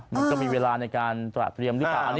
มันก็มีเวลาในการตรวจเตรียมฤทธิ์อันนี้คิดเองนะ